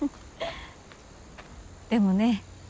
でもね